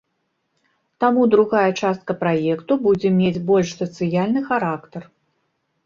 Таму другая частка праекту будзе мець больш сацыяльны характар.